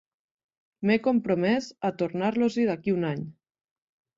M'he compromès a tornar-los-hi d'aquí a un any.